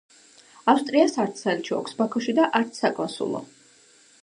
ავსტრიას არც საელჩო აქვს ბაქოში და არც საკონსულო.